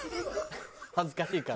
恥ずかしいから。